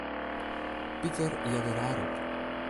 Piter hearde raar op.